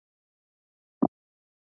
که ونې وکرل شي، نو سیوری به پیدا شي.